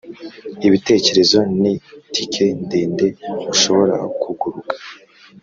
ibitekerezo ni tike ndende ushobora kuguruka